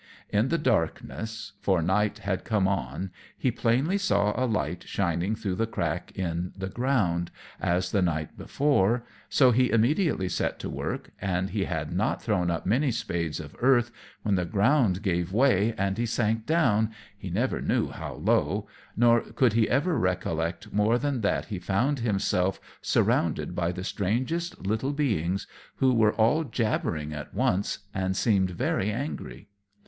In the darkness, for night had come on, he plainly saw a light shining through the crack in the ground, as the night before, so he immediately set to work; and he had not thrown up many spades of earth, when the ground gave way, and he sank down, he never knew how low, nor could he ever recollect more than that he found himself surrounded by the strangest little beings, who were all jabbering at once, and seemed very angry.